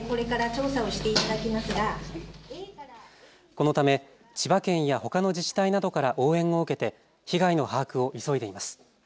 このため千葉県やほかの自治体などから応援を受けて被害の把握を急いでいます。